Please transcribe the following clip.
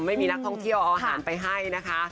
ไม่มีนักท่องเที่ยวเอาอาหารไปให้นะคะ